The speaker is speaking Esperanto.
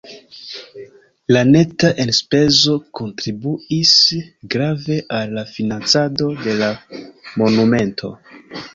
La neta enspezo kontribuis grave al la financado de la monumento.